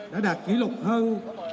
đã đạt kỷ lục hơn